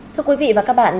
thưa quý vị và các bạn